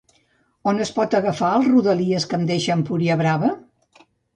On es pot agafar el Rodalies que em deixa a Empuriabrava?